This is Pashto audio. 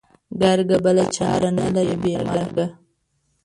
گرگه! بله چاره نه لري بې مرگه.